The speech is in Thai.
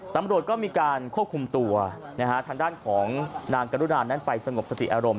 ตำรวจก็มีการควบคุมตัวทางด้านของนางกรุณานั้นไปสงบสติอารมณ์